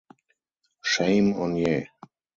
Shame on ye!